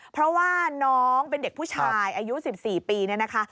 เพราะว่าน้องเป็นเด็กผู้ชายอายุ๑๔ปีเนี่ยนะคะ